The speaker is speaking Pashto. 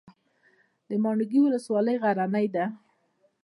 د ماڼوګي ولسوالۍ غرنۍ ده